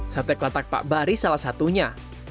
sate kelatak pak bari salah satunya